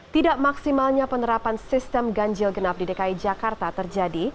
tidak maksimalnya penerapan sistem ganjil genap di dki jakarta terjadi